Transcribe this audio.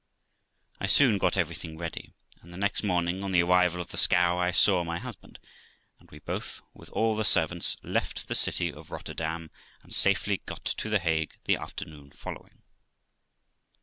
I soon got everything ready, and the next morning, on the arrival of the scow, I saw my husband; and we both, with all the servants, left the city of Rotterdam, and safely got to the Hague the afternoon following.